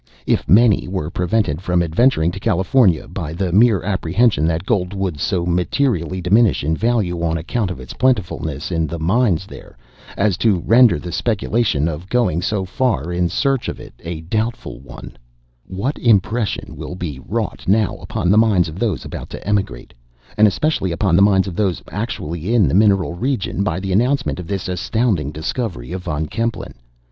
If many were prevented from adventuring to California, by the mere apprehension that gold would so materially diminish in value, on account of its plentifulness in the mines there, as to render the speculation of going so far in search of it a doubtful one—what impression will be wrought now, upon the minds of those about to emigrate, and especially upon the minds of those actually in the mineral region, by the announcement of this astounding discovery of Von Kempelen?